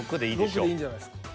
６でいいんじゃないすか。